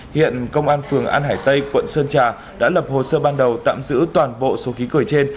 hiện công an phường an hải tây quận sơn trà đã lập hồ sơ ban đầu tạm giữ toàn bộ số khí cười trên